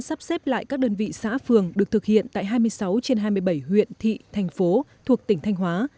sắp xếp lại các đơn vị xã phường được thực hiện tại hai mươi sáu trên hai mươi bảy huyện thị thành phố thuộc tỉnh thanh hóa